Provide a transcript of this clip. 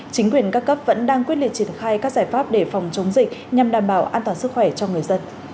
chính quyền các cấp vẫn đang quyết liệt triển khai các giải pháp để phòng chống dịch nhằm đảm bảo an toàn sức khỏe cho người dân